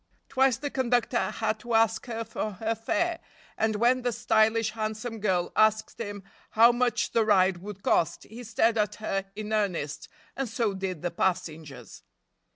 Twice the conductor had to ask her for her fare, and when the stylish, handsome girl asked him how much the ride would cost he stared at her in earnest, and so did the passengers.